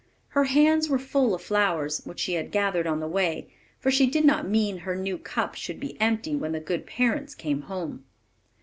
Her hands were full of flowers, which she had gathered on the way; for she did not mean her new cup should be empty when the good parents came home.